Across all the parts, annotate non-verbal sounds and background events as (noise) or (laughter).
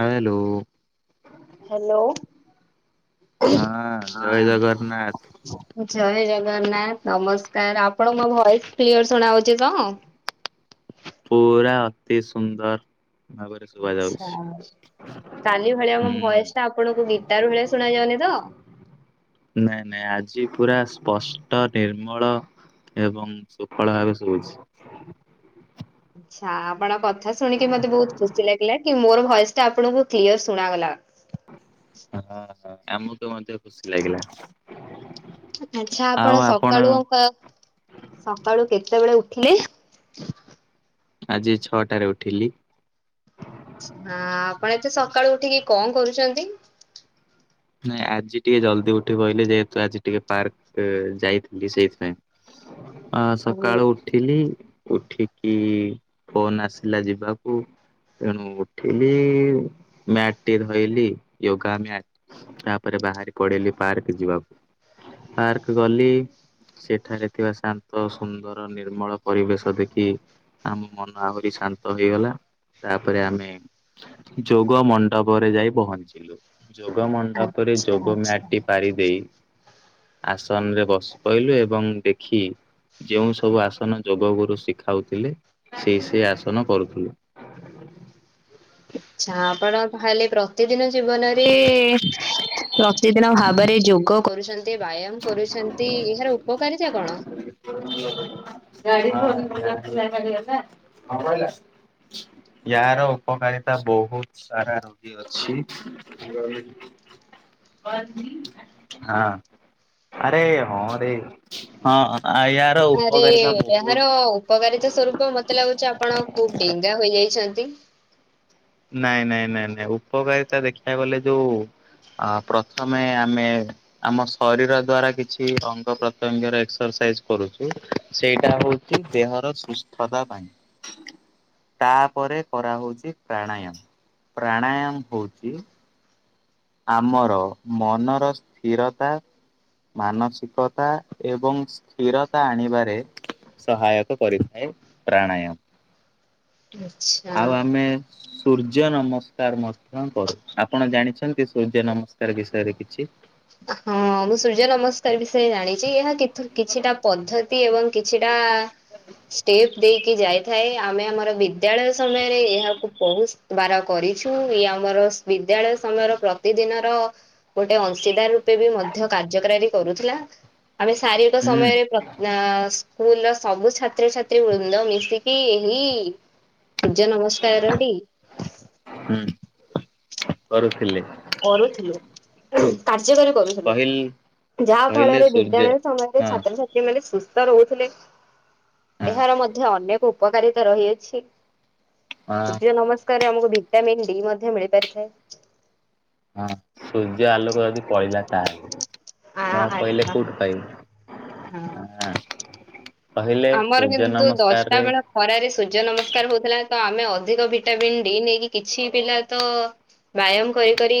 Hello. Hello ହଁ ଜୟ ଜଗନ୍ନାଥ ଜୟ ଜଗନ୍ନାଥ, ନମସ୍କାର ଆପଣଙ୍କୁ ମୋ ଭଏସ କ୍ଲିୟର ଶୁଣାଉଛି। ପୁରା ଅତି ସୁନ୍ଦର। ର ଶୁଭା ଆଚ୍ଛା। ଯାଉଛି। କାଲି ଭଳିଆ ହୁଁ। ମୋ ଭଏସ ଟା ଆପଣଙ୍କୁ ଗୀଟାର ଭଳିଆ ଶୁଣା ଯାଉନି ତ? ନାଇଁ ନାଇଁ ଆଜି ପୁରା ସ୍ପଷ୍ଟ ନିର୍ମଳ ଏବଂ ସୁଫଳ ଭାବେ ସୁଭୁଛି। ଆଛା, ଆପଣଙ୍କ କଥା ଶୁଣିକି ମତେ ବହୁତ ଖୁସି ଲାଗିଲା କି ମୋର ଭଏସ ଟା ଆପଣଙ୍କୁ ବହୁ କ୍ଲିୟର ଶୁଣାଗଲା। ହଁ, ହ, ଆମକୁ ମଧ୍ୟ ଖୁସି ଲାଗିଲା। ଆଛା, ଆପଣ ସକାଳୁ ସକାଳୁ କେତେବେଳେ ଥିଲେ ଆଜି ଛଅଟାରେ ଉଠିଲି। ହଁ, ଆପଣ ଏତେ ସକାଳୁ ଉଠିକି କଣ କରୁଛନ୍ତି? ନାଇଁ ଆଜି ଟିକେ ଜଲଦି ଉଠି ପଇଲି ଯେହେତୁ ଆଜି ଟିକେ ପାର୍କ ଯାଇଥିଲି ସେଇଥିପାଇଁ (unintelligible) ଅ ସକାଳୁ ଉଠିଲି, ଉଠିକି ଫୋନ ଆସିଲା ଯିବାକୁ ତେଣୁ ଉଠିଲି ମ୍ୟାଟ୍ ଟି ଧରଲି ଯୋଗା ମ୍ୟାଟ ତାପରେ ବାହାରି ପଡିଲି ପାର୍କ ଯିବାକୁ, ପାର୍କ ଗଲି। ସେଠାରେ ଥିବା ଶାନ୍ତ, ସୁନ୍ଦର, ନିର୍ମଳ ପରିବେଶ ଦେଖି ଆମ ମନ ଆହୁରି ଶାନ୍ତ ହେଇଗଲା। ତାପରେ ଆମେ ଯୋଗ ମଣ୍ଡପରେ ଯାଇ ପହଞ୍ଚିଲୁ। ଯୋଗ ମଣ୍ଡପରେ, ଆଚ୍ଛା ଯୋଗ ମ୍ୟାଟ୍ ଆଚ୍ଛା। ଟି ପାରି ଦେଇ ଆସନରେ ବସି ପଇଲି ଏବଂ ଦେଖି ଯେଉଁ ସବୁ ଆସନ ଯୋଗ ଗୁରୁ ଶିଖାଉଥିଲେ ସେଇ ସେ ଆସନ କରୁଥିଲୁ। ଆଛା, ଆପଣ ତାହଲେ ପ୍ର ପ୍ରତିଦିନ ଜୀବନରେ, ପ୍ରତିଦିନ ଭାବରେ ଯୋଗ କରୁଛନ୍ତି। ଏତେ ବ୍ୟାୟାମ କରୁଛନ୍ତି ଏହାର ଉପକାରିତା କଣ? (unintelligible) ୟାର ଉପକାରିତା ବହୁତ ସାରା ରୋଗୀ ଅଛି ହଁ ଆରେ ହଁରେ ହଁ ୟାର ଆରେ ଉପକାରିତା ବହୁତ ଏହାର ଉପକାରିତା ସ୍ୱରୂପ ମତେ ଲାଗୁଛି ଆପଣ ଖୁବ ଡେଙ୍ଗା ହୋଇଯାଇଛନ୍ତି। ନାଇଁ ନାଇଁ ନାଇଁ ନାଇଁ ଉପକାରିତା ଦେଖିବାକୁ ଗଲେ ଯୋଉ ଅ ପ୍ରଥମେ ଆମେ ଆମ ଶରୀର ଦ୍ଵାରା କିଛି ଅଙ୍ଗ ପ୍ରତ୍ୟଙ୍ଗରର ଏକ୍ସରସ କରୁୁଚୁ ସେଇଟା ହଉଛି ଦେହର ସୁସ୍ଥତା ପାଇଁ। (inaudible) ତାପରେ କରାହଉଛି ପ୍ରାଣାୟାମ, ପ୍ରାଣାୟାମ ହଉଛି ଆମର ମନର ସ୍ଥିରତା ମାନସିକତା ଏବଂ ସ୍ଥିରତା ଆଣିବାରେ ସହାୟକ କରିଥାଏ ପ୍ରାଣାୟମ। ଆଚ୍ଛା ଆଉ ଆମେ ସୂର୍ଯ୍ୟ ନମସ୍କା ମଧ୍ୟ କରୁ ଆପଣ ଜାଣିଛନ୍ତି, ସୂର୍ଯ୍ୟ ନମସ୍କାର ବିଷୟରେ କିଛି? ହଁ ମୁଁ ସୂର୍ଯ୍ୟ ନମସ୍କାର ବିଷୟରେ ଜାଣିଛି, ଏହା କିଛିଟା ପଦ୍ଧତି ଏବଂ କିଛି ଏଟା ଷ୍ଟେପ୍ ଦେଇକି ଯାଇଥାଏ, ଆମେ ଆମର ବିଦ୍ୟାଳୟ ସମୟରେ ଏହାକୁ ବହୁତ ବାର କରିଛୁ, ଇଏ ଆମ ଆମର ବିଦ୍ୟାଳୟ ସମୟର ପ୍ରତିଦିନର ଗୋଟେ ଅ (unintelligible) ରୂପେ ବି ମଧ୍ୟ କାର୍ଯ୍ୟକାରୀ କରୁଥିଲା, ଆମେ ଶାରୀରିକ ହୁଁ ସମୟରେ ପ୍ର ସ୍କୁଲର ସବୁ ଛାତ୍ରଛାତ୍ରୀ ବୃନ୍ଦ ମିଶିକି ଏହି ସୂର୍ଯ୍ୟ ନମସ୍କାର ଟି ହୁଁ କରୁଥିଲେ। କରୁଥିଲୁ କା? କାର୍ଯ୍ୟକାରୀ କରୁଥିଲୁ କହିଲ ଯାହା କହିଲେ ଫଳରେ ସୂର୍ଯ୍ୟ ବିଦ୍ୟାଳୟ ସମୟରେ ହଁ ଛାତ୍ରଛାତ୍ରୀ ମାନେ ସୁ ତ ରହୁଥିଲେ ହଁ ଏହାର ମଧ୍ୟ ଅନେକ ଉପକାରିତା ରହିଅଛି। ହଁ ସୂର୍ଯ୍ୟ ନମସ୍କାରରେ ଆମକୁ ଭିଟାମିନ୍ ଡି ମଧ୍ୟ ମିଳି ପାରିଥାଏ। ହଁ ସୂର୍ଯ୍ୟ ଆଲୋକ ଯଦି ପଇଲା ତାହେଲେ ଆ ନ ପଇଲେ ଆଚ୍ଛା ହଁ କୋଉଠୁ ପାଇବୁ? ହଁ। କହିଲେ ଆମର ସୂର୍ଯ୍ୟ କିନ୍ତୁ ଦଶଟା ନମସ୍କାରରେ ବେଳେ ଖରାରେ ସୂର୍ଯ୍ୟ ନମସ୍କାର ହଉଥିଲା। ତ ଆମେ ଅଧିକ ଭିଟାମିିନ ଡି ନେଇକି କିଛି ପିଲା ତ ବ୍ୟାୟାମ କରି କରି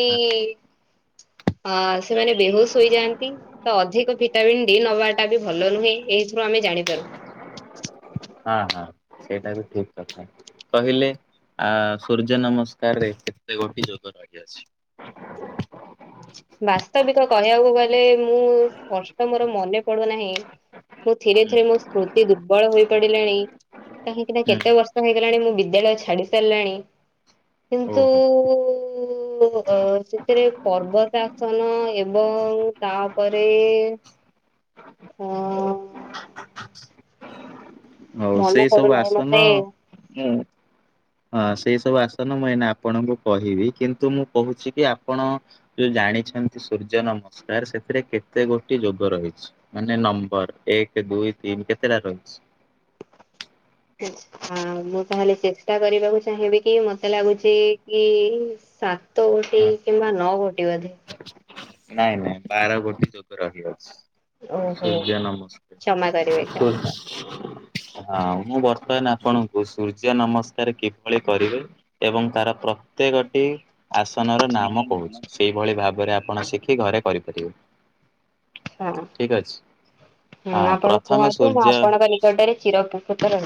ଅ ସେମାନେ ବେହୋସ୍ ହୋଇଯାଆନ୍ତି ତ ଅଧିକ ଭିଟାମିିନ ଡି ନବାଟା ବି ଭଲ ନୁହେଁ। ଏଇଥିରୁ ଆମେ ଜାଣିପାରୁ। ହଁ ହଁ ସେଇଟା ବି ଠିକ କଥା କହିଲେ ଆ ସୂର୍ଯ୍ୟ ନମସ୍କାରରେ କେତେ ଗୋଟିଏ ଯୋଗ ଲାଗି ଅଛି? ବାସ୍ତବିକ କହିବାକୁ ଗଲେ ମୁଁ ସ୍ପଷ୍ଟ ମୋର ମନେ ପଡୁନାହିଁ। ମୁଁ ଧିରେ ଧିରେ ହୁଁ। ମୋ ସ୍ମୃତି ଦୁର୍ବଳ ହୋଇ ପଡିଲାଣି କାହିଁକିନା କେତେ ବର୍ଷ ହେଇ ଲାଣି ମୁଁ ବିଦ୍ୟାଳୟ ଛାଡି ସାରିଲାଣି। କିନ୍ତୁ ଓହୋ ଅ ସେଥିରେ ପର୍ବତ ଆସନ, ଏବଂ ତାପରେ ହଁ! ହଉ ମନ ସେଇ ସବୁ ପଡ଼ୁନାହି ଆସନ ମତେ ମୁଁ ହଁ (inaudible) ହଁ ସେଇ ସବୁ ଆସନ ମୁଁ ଏଇନା ଆପଣଙ୍କୁ କହିବି କିନ୍ତୁ ମୁଁ କହୁଛି କି ଆପଣ ଯୋଉ ଜାଣି ସେମିତି ସୂର୍ଯ୍ୟ ନମସ୍କାର ସେଥିରେ କେତେ ଗୋଟି ଯୋଗ ରହିଛି? ମାନେ ନମ୍ବର ଏକ ଦୁଇ ଦୁଇ ତିନ କେତେଟା ରହିଚି? ଆଉ ମୁଁ ତାହେଲେ ଚେଷ୍ଟା କରିବାକୁ ଚାହିଁବି କି ମତେ ଲାଗୁଛି କି ସାତ ଗୋଟି କିମ୍ବା ନଅ ଗୋଟି ବୋଧେ! ନାଇଁ ନାଇଁ ବାର ଗୋଟି ଯୋଗ ରହିଅଛି! ଓହୋ ସୁର୍ଯ୍ୟ ନମସ୍କାର! କ୍ଷମା କରିବେ ହଁ କ୍ଷମା ମୁଁ ବର୍ତ୍ତମାନ ଆପଣଙ୍କୁ ସୂର୍ଯ୍ୟ ନମସ୍କାର କିଭଳି କରିବେ ଏବଂ ତାର ପ୍ରତ୍ୟେକଟି ଆସନର ନାମ କହୁଛି ସେଇଭଳି ଭାବରେ ଆପଣ ସି କିକି ଘରେ କରିପାରିବେ! ହଁ, ଠିକ ଅଛି। ହୁଁ ହଁ ଆପଣ ପ୍ରଥମେ କୁହନ୍ତୁ ମୁଁ ସୂର୍ଯ୍ୟ ଆପଣଙ୍କ ନିକଟରେ ଚିରଉପ ସୁଟ (inaudible)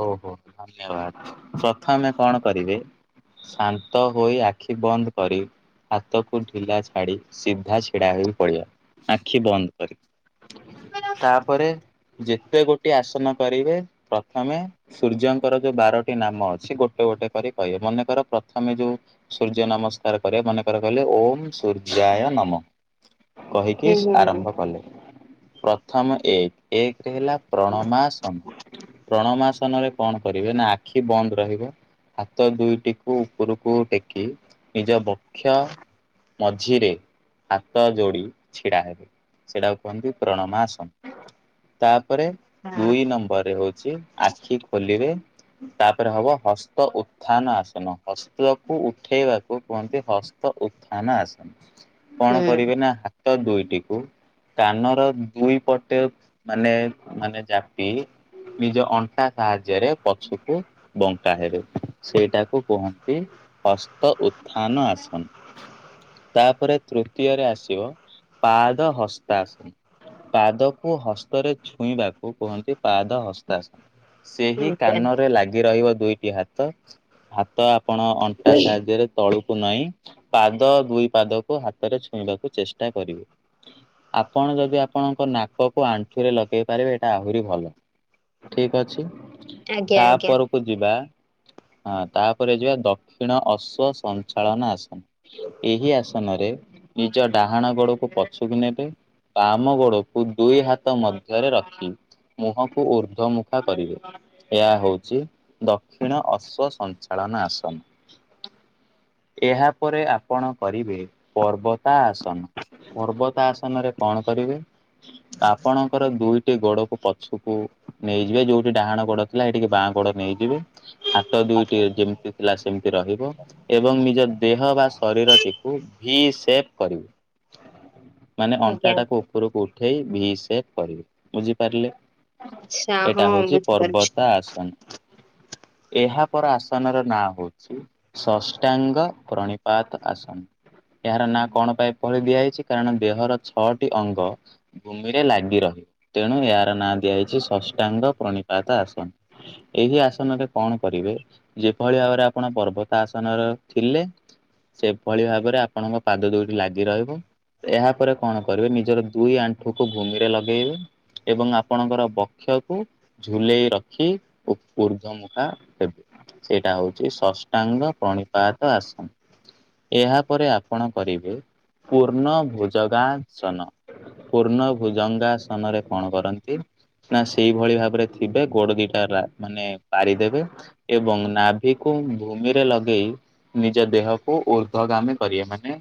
ଓହୋ ଧନ୍ୟବାଦ ପ୍ରଥମେ କଣ କରିବେ ଶାନ୍ତ ହୋଇ ଆଖି ବନ୍ଦ କରି ହାତକୁ ଢିଲା ଛାଡି ସିଧା ଛିଡା ହୋଇ ପଡ଼ିବେ ଆଖି ବନ୍ଦ କରି! ତାପରେ ଯେତେ ଗୋଟିେ ଆସନ କରିବେ -ପ୍ର - ପ୍ରଥମେ ସୂର୍ଯ୍ୟଙ୍କର ଯୋଉ ବାରଟି ନାମ ଅଛି ଗୋଟେ ଗୋଟେ କରି କହିବେ ମନେକର ପ୍ରଥମେ ଯୋଉ ସୂର୍ଯ୍ୟ ନମସ୍କାର କରିବେ ମନେକର କହିଲେ ଓମ୍ ସୂର୍ଯ୍ୟାୟ ନମଃ! କହିକି ହୁଁ ହୁଁ ହୁଁ ଆରମ୍ଭ କଲେ ପ୍ରଥମ ଏକ ଏକ ଏକରେ ହେଲା ପ୍ରଣମା ଆସନ! ପ୍ରଣମା ଆସନରେ କଣ କରିବେ ନା ଆଖି ବନ୍ଦ ରହିବ ହାତ ଦୁଇଟିକୁ ଉପରକୁ ଟେକି ନିଜ ବକ୍ଷ ମଝିରେ ହାତ ଯୋଡି ଛିଡା ହେବ ସେଟାକୁ କୁହନ୍ତି ପ୍ରଣମା ଆସନ ତା ପରେ ଦୁଇ ନମ୍ବରରେ ହଉଛି ଆଖି ଖୋଲିବେ ତାପରେ ହବ ହସ୍ତ ଉତ୍ଥାନ ଆସନ ହସ୍ତକୁ ଉଠେଇବାକୁ କୁହନ୍ତି ହସ୍ତ ଉତ୍ଥାନ ଆସନ! କଣ ହଁ କରିବେ ନା ହାତ ଦୁଇଟିକୁ କାନର ଦୁଇ ପଟେ ମାନେ ମାନେ ଚାପି ନିଜ ଅଣ୍ଟା ସାହାଯ୍ୟରେ ପଛୁକୁ ବଙ୍କା ହେବେ ସେଇଟାକୁ କୁହନ୍ତି ହସ୍ତ ଉତ୍ଥାନ ଆସନ! ତାପରେ ତୃତୀୟରେ ଆସିବ ପାଦ ହସ୍ତାସନ। ପାଦକୁ ହସ୍ତରେ ଛୁଇଁବାକୁ କୁହନ୍ତି ପାଦ ହସ୍ତାସନ, ସେହି ହୁଁ କାନରେ ଲାଗି ରହିବ ଦୁଇଟି ହାତ ହାତ ଆପଣ ଅଣ୍ଟା ସାହାଯ୍ୟରେ ତଳୁ କୁ ନଇଁ ପାଦ ଦୁଇ ପାଦକୁ ହାତରେ ଛୁଇଁବାକୁ ଚେଷ୍ଟା କରିବେ। ଆପଣ ଯଦି ଆପଣଙ୍କ ନାକକୁ ଆଣ୍ଠୁରେ ଲଗେଇ ପାରିବେ ଏଇଟା ଆହୁରି ଭଲ। ଠିକ ଅଛି, ଆଜ୍ଞା ଆଜ୍ଞା ଆଜ୍ଞା ତାପରକୁ ଯିବା। ହଁ, ତାପରେ ଯିବା ଦକ୍ଷିଣ ଅଶ୍ୱ ସଞ୍ଚାଳନ ଆସନ ଏହି ଆସନରେ ରେ ନିଜ ଡାହାଣ ଗୋଡକୁ ପଛୁ କୁ ନେବେ। ବାମ ଗୋଡକୁ ଦୁଇ ହାତ ମଧ୍ୟରେ ରଖି ମୁହଁ କୁ ଉର୍ଦ୍ଧ୍ୱମୁଖା କରିବେ ଏହା ହଉଛି ଦକ୍ଷିଣ ଅଶ୍ଵ ସଞ୍ଚାଳନ ଆସନ। (inaudible) ଏହା ପରେ ଆପଣ କରିବେ ପର୍ବତା ଆସନ, ପର୍ବତା ଆସନରେ କଣ କରିବେ? ଆପଣଙ୍କର ଦୁଇଟି ଗୋଡକୁ ପଛୁକୁ ନେଇଯିବେ ଯୋଉଠି ଡାହାଣ ଗୋଡ ଥିଲା ସେଠିକି ବାଁ ଗୋଡ ନେଇଯିବେ ହାତ ଦୁଇଟି ଯେମିତି ଥିଲା ସେମିତି ରହିବ ଏବଂ ନିଜ ଦେହ ବା ଶରୀରଟିକୁ ଭିସେପ କରିବେ। (inaudible) ମାନେ ଅଣ୍ଟାଟାକୁ ଉପରକୁ ଉଠେଇ ଭିସେପ କରିବେ। ବୁଝିପାରିଲେ? ହଁ ଏଟା ହେଉଚି ବୁଝିପାରୁଛି ପର୍ବତା ଆସନ। (inaudible) ଏହାପର ଆସନର ନାଁ ହଉଛି ଷଷ୍ଟାଙ୍ଗ ପ୍ରଣିପାତ ଆସନ। ଏହାର ନାଁ କଣ ପାଇଁ ଏପରି ଦିଆ ହେଇଚି କାରଣ ଦେହର ଛଅଟି ଅଙ୍ଗ ଭୂମିରେ ଲାଗି ରହେ। ତେଣୁ ୟାର ନାଁ ଦିଆଇ ଷଷ୍ଟାଙ୍ଗ ପ୍ରଣିପାତ ଆସନ ଏହି ଆସନରେ କଣ କରିବେ ଯେଭଳି ଭାବରେ ଆପଣ ପର୍ବତା ଆସନରେ ଥିଲେ। ସେଭଳି ଭାବରେ ଆପଣଙ୍କ ପାଦ ଦୁଇଟି ଲାଗି ରହିବ। ଏହାପରେ କଣ କରିବେ ନିଜର ଦୁଇ ଆଣ୍ଠୁକୁ ଭୂମିରେ ଲଗେଇବେ ଏବଂ ଆପଣଙ୍କର ପକ୍ଷକୁ ଝୁଲେଇ ରଖି ଉ ଉର୍ଦ୍ଧ ମୁଖା ହେବେ। ସେଇଟା ହଉଛି ଷଷ୍ଟାଙ୍ଗ ପ୍ରଣିପାତ ଆସନ। ଏହାପରେ ଆପଣ କରିବେ ପୂର୍ଣ ଭୋଜଗାସନ। ପୂର୍ଣ ଭୁଜଙ୍ଗାସନରେ କଣ କରନ୍ତି? ନା ସେଇଭଳି ଭାବରେ ଥିବେ ଗୋଡ ଦିଟା ରା ମାନେ ପାରିଦେବେ ଏବଂ ନାଭିକୁ ଭୂମିରେ ଲଗେଇ ନିଜ ଦେହକୁ ଉର୍ଦ୍ଧଗାମୀ କରିବେ। ମାନେ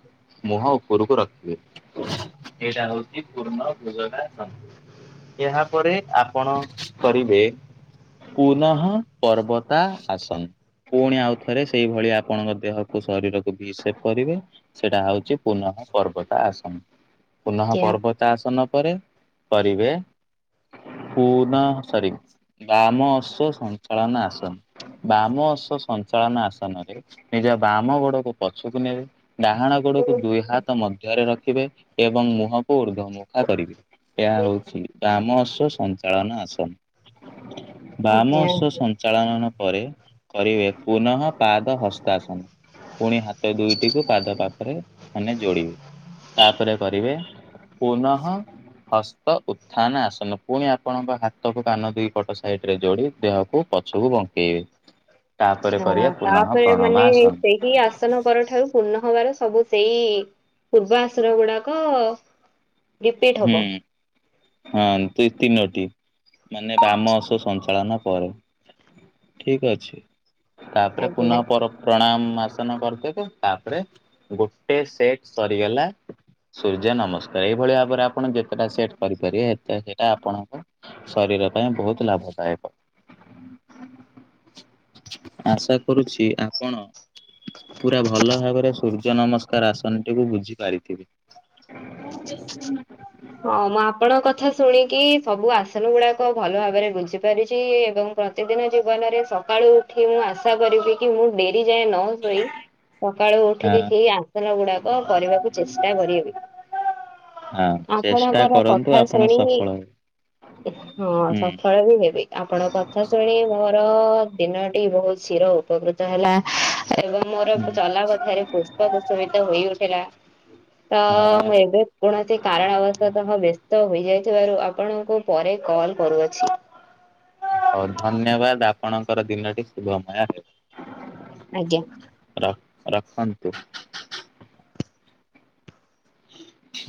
ମୁହଁ ଉପରକୁ ରଖିବେ ଏଇଟା ହଉଛି ପୂର୍ଣ୍ଣ ଭୁଜଙ୍ଗାସନ। ଏହା ପରେ ଆପଣ କରିବେ। ପୁର୍ନହ ପର୍ବତା ଆସନ। ପୁଣି ଆଉଥରେ ସେଇଭଳିଆ ଆପଣଙ୍କ ଦେହକୁ ଶରୀରକୁ ଭିସେପ କରିବେ ସେଇଟା ହଉଛି ପୁନଃ ପର୍ବତ ଆସନ ପୁନଃ ଆଜ୍ଞା। ପର୍ବତ ଆସନ ପରେ କରିବେ ପୁନ ସରି ଗାମ ଅସ୍ୱ ସଞ୍ଚାଳନ ଆସନ। ବାମ ଅଶ ସଞ୍ଚାଳନ ଆସନରେ ନିଜ ବାମ ଗୋଡକୁ ପଛକୁ ନେବେ ଡ଼ାହାଣ ଗୋ ଗୋଡକୁ ଦୁଇ ହାତ ମଧ୍ୟରେ ରଖିବେ ଏବଂ ମୁହଁକୁ ଉର୍ଦ୍ଧ୍ୱ ମୁଖା କରିବେ। ଏଇା ହଉଛି ବାମ ସ ସଞ୍ଚାଳନ ଆସନ ବାମ ଅସ୍ଵ ଆଚ୍ଛା ସଞ୍ଚାଳନ ପରେ କରିବେ ପୁନଃ ପାଦ ହସ୍ତାଶନ। ପୁଣି ହାତ ଦୁଇଟିକୁ ପାଦ ପାଖରେ ମାନେ ଯୋଡ଼ିବେ। ତାପରେ କରିବେ ପୁନଃ ହସ୍ତ ଉତ୍ଥାନ ଆସନ। ପୁଣି ଆପଣଙ୍କ ହାତକୁ କାନ ଦିଇ ପଟ ସାଇଡ ରେ ଯୋଡ଼ି ଦେହକୁ ପଛକୁ ବଙ୍କେଇବେ। ତାପରେ କରିବା ପୁନଃ ତାପରେ ପ୍ରଣମା ମାନେ ଆସନ। ସେହି ଆସନ ପର ଠାରୁ ପୂର୍ଣ୍ଣ ହବାର ସବୁ ସେଇ ପୂର୍ବ ଆଶ୍ର ଗୁଡ଼ାକ ରିପିଟ୍ ହୁଁ ହବ। ହଁ ଦୁଇ, ତିନୋଟି ମାନେ ବାମ ଆଚ୍ଛା ସୋ ସଞ୍ଚାଳନ ପରେ ଠିକ୍ ଅଛି ତାପରେ, ଆଜ୍ଞା ପୁନଃ ଆଜ୍ଞା ପର ପ୍ରଣାମ ଆ ସନ କରିଦେବେ। ତାପରେ ଗୋଟେ ସେଟ୍ ସରିଗଲା। ସୂର୍ଯ୍ୟ ନମସ୍କାର ଏଇଭଳି ଭାବରେ ଆ ଆପଣ ଯେତେଟା ସେଟ୍ କରିପାରିବେ ଏ ତେ ସେଟା ଆପଣଙ୍କ ଶରୀର ପାଇଁ ବହୁତ ଲାଭଦାୟକ। (inaudible) ଆଶା କରୁଛି ଆପଣ ପୁରା ଭଲ ଭାବରେ ସୂର୍ଯ୍ୟ ନମସ୍କାର ଆସନଟିକୁ ବୁଝି ପାରିଥିବେ। (inaudible) ହଁ ମୁଁ ଆପଣଙ୍କ କଥା ଶୁଣିକି ସବୁ ଆସନ ଗୁଡାକ ଭଲ ଭାବରେ ବୁଝିପାରିଛି ଏବଂ ପ୍ରତିଦିନ ଜୀବନରେ ସକାଳୁ ଉଠି ମୁଁ ଆଶା କରିବି କି ମୁଁ ଡେରି ଯାଏଁ ନ ଶୋଇ ସକାଳୁ ହଁ ଉଠିକି ହେଇ ଆସନ ଗୁଡ଼ାକ କରିବାକୁ ଚେଷ୍ଟା କରିବି। ହଁ ଚେଷ୍ଟା ଆପଣଙ୍କର କରନ୍ତୁ କଥା ଆପଣ ଶୁଣି ସଫଳ ହେବେ। ହଁ ହୁଁ ସଫଳ ବି ହେବେ। ଆପଣ କଥା ଶୁଣି ମୋର ଦିନଟି ବହୁତ ଶୀର ଉପକୃତ ହେଲା। ଏବଂ ମୋର ହୁଁ ଚଲା ପଥରେ ପୁଷ୍ପ କୁଶମିତ ହୋଇ ଉଠିଲା। ଆ ବେ କୌଣସି କାରଣବଶତଃ ବ୍ୟସ୍ତ ହୋଇଯାଇଥିବାରୁ ଆପଣଙ୍କୁ ପରେ କଲ କରୁଅଛି। (inaudible) ହଉ ଧନ୍ୟବାଦ ଆପଣଙ୍କର ଦିନଟି ଶୁଭମୟ ହେବ। ଆଜ୍ଞା। ରଖନ୍ତୁ। (inaudible)